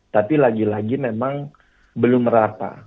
tapi lagi lagi memang belum merata